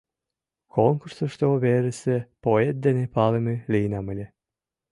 Конкурсышто верысе поэт дене палыме лийынам ыле.